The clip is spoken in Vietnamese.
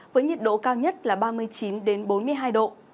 với nhiệt độ cao nhất là ba mươi chín bốn mươi hai độ